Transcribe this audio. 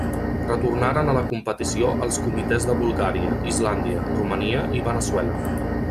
Retornaren a la competició els comitès de Bulgària, Islàndia, Romania i Veneçuela.